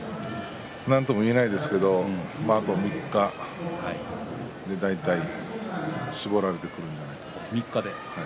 なんとも言えませんけどあと３日で大体絞られてくるんじゃないですか。